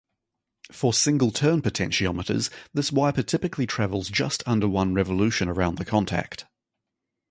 For single-turn potentiometers, this wiper typically travels just under one revolution around the contact.